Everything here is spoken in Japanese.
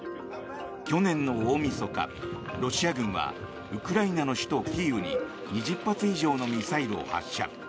去年の大みそか、ロシア軍はウクライナの首都キーウに２０発以上のミサイルを発射。